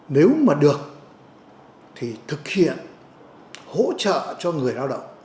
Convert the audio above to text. nếu mà được thì thực hiện hỗ trợ cho người lao động